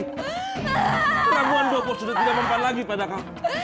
peranguan bapak sudah tidak mempunyai lagi pada kamu